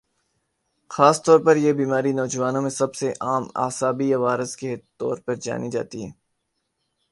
خاص طور پر یہ بیماری نوجوانوں میں سب سے عام اعصابی عوارض کے طور پر جانی جاتی ہے